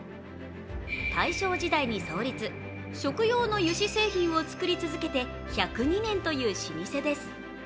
大正時代に創立、食用の油脂商品を作り続けて１０２年という老舗です。